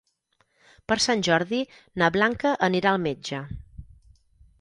Per Sant Jordi na Blanca anirà al metge.